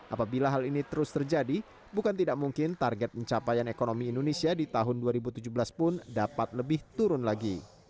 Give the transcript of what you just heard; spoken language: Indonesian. apabila hal ini terus terjadi bukan tidak mungkin target pencapaian ekonomi indonesia di tahun dua ribu tujuh belas pun dapat lebih turun lagi